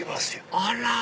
あら！